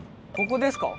ここですか？